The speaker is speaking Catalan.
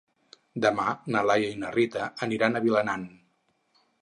Demà na Laia i na Rita aniran a Vilanant.